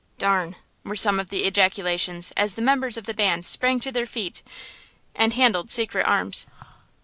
"D–n!" were some of the ejaculations as the members of the band sprang to their feet and handled secret arms.